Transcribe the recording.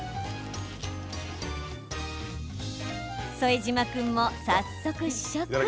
副島君も早速、試食。